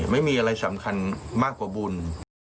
ไม่มีอะไรสำคัญมากกว่าบุญ